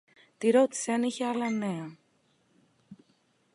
Την ρώτησε αν είχε άλλα νέα.